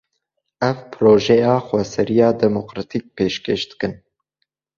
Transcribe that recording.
Ew, projeya xweseriya demokratîk pêşkêş dikin